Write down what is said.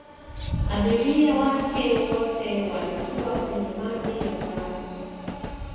abiria wake wote walikuwa kwenye maji ya barafu